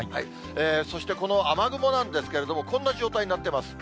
そしてこの雨雲なんですけれども、こんな状態になってます。